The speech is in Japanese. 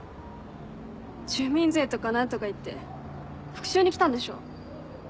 住民税とか何とか言って復讐に来たんでしょ？